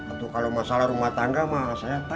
itu kalau masalah rumah tangga mah saya takut am